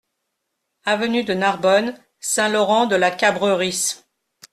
Avenue de Narbonne, Saint-Laurent-de-la-Cabrerisse